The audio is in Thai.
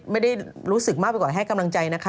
ไม่ได้รู้สึกมากไปกว่าให้กำลังใจนะคะ